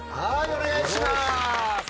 お願いします。